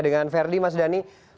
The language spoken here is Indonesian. dengan verdi mas dhani